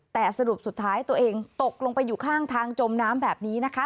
แต่สรุปสุดท้ายตัวเองตกลงไปอยู่ข้างทางจมน้ำแบบนี้นะคะ